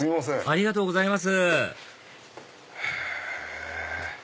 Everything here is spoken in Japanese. ありがとうございますへぇ。